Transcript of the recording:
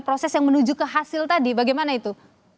proses yang menuju ke hasil tadi bagaimana itu